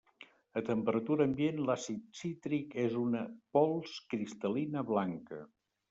A temperatura ambient l'àcid cítric és una pols cristallina blanca.